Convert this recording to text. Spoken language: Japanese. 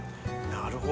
なるほど。